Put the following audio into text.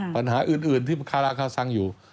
ปัญหาอื่นที่คาราคาซังอยู่